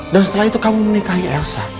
dan setelah itu kamu menikahi elsa